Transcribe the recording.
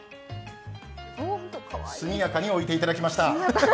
速やかに置いていただきました。